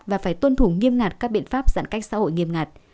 và phải tuân thủ nghiêm ngặt các biện pháp giãn cách xã hội nghiêm ngặt